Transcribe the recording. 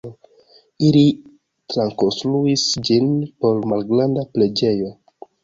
Ili trakonstruis ĝin por malgranda preĝejo.